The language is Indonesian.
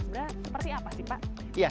sebenarnya seperti apa sih pak